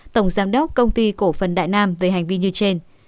tổng giám đốc công ty cổ phần đại nam về hành vi như trên